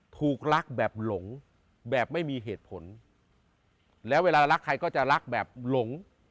ถูกรักแบบหลงแบบไม่มีเหตุผลแล้วเวลารักใครก็จะรักแบบหลง